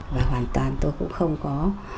và hoàn toàn tôi cũng không có